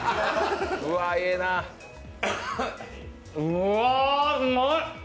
うわぁ、うまい！